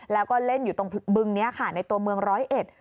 แล้วก็เล่นอยู่ตรงบึงเนี้ยค่ะในตัวเมืองร้อยเอ็ด